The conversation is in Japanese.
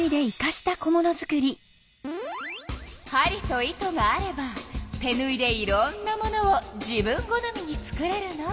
針と糸があれば手ぬいでいろんなものを自分好みに作れるの。